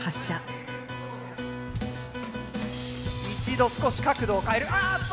一度少し角度を変えるあっと！